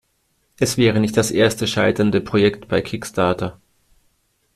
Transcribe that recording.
Es wäre nicht das erste scheiternde Projekt bei Kickstarter.